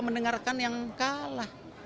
mendengarkan yang kalah